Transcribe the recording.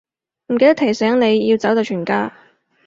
唔記得提醒你，要走就全家